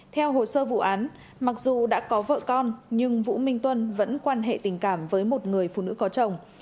theo hồ sơ vụ án mặc dù đã có vợ con nhưng vũ minh tuân vẫn quan hệ tình cảm với một người phụ nữ có chồng